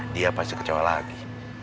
dia pasti kecewa lagi